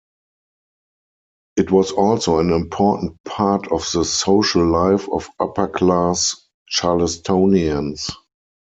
It was also an important part of the social life of upper-class Charlestonians.